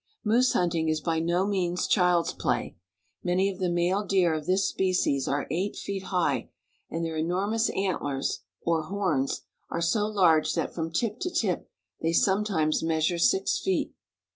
Moose hunting is by no means child's play. Many of the male deer of this species are eight feet high, and their enormous antlers, or horns, are so large that from tip to tip they sometimes measure six feet.